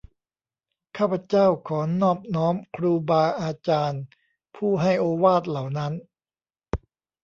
ข้าพเจ้าขอนอบน้อมครูบาอาจารย์ผู้ให้โอวาทเหล่านั้น